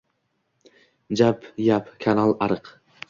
jap, yab – «kanal», «ariq».